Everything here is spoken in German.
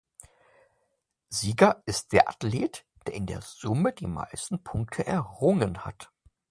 Sieger ist der Athlet, der in der Summe die meisten Punkte errungen hat.